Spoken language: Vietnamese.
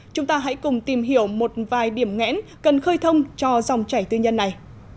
chúng ta hãy cùng tìm hiểu một vài điểm ngẽn cần khơi thông cho dòng chảy tư nhân này